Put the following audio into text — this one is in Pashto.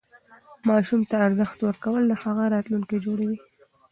ماشوم ته ارزښت ورکول د هغه راتلونکی جوړوي.